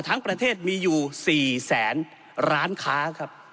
ทั้งประเทศมีอยู่๔แสนร้านค้าครับ